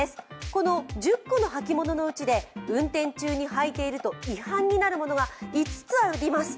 この１０個の履物のうちで運転中に履いていると違反になるものが５つあります。